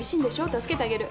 助けてあげる。